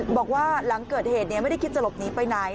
บอกว่าหลังเกิดเหตุไม่ได้คิดจะหลบหนีไปไหน